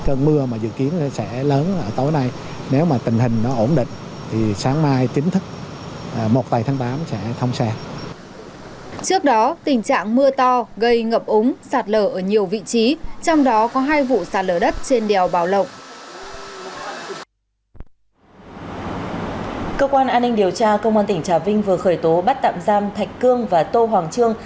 cơ quan an ninh điều tra công an tỉnh trà vinh vừa khởi tố bắt tạm giam thạch cương và tô hoàng trương